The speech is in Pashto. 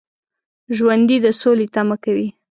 ژوندي د سولې تمه کوي